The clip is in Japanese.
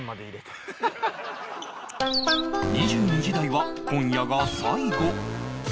２２時台は今夜が最後